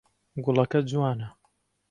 گوڵەکە جوانە.